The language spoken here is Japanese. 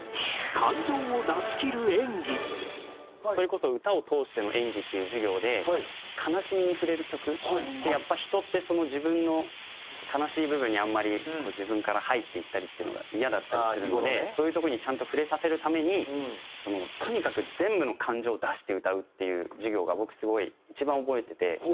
それこそ歌を通しての演技っていう授業で悲しみに触れる曲ってやっぱ人って自分の悲しい部分にあんまり自分から入っていったりっていうのがイヤだったりするのでそういうとこにちゃんと触れさせるためにとにかく全部の感情を出して歌うっていう授業が僕すごい一番覚えてて。